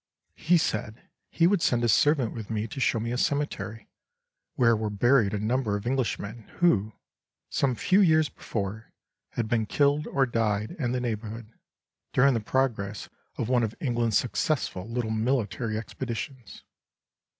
He said he would send a servant with me to show me a cemetery, where were buried a number of Englishmen who, some few years before, had been killed or died in the neighbourhood, during the progress of one of England's successful little military expeditions.